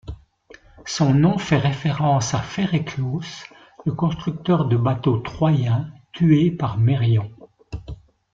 Son nom fait référence à Phéréclos, le constructeur de bateau troyen tué par Mérion.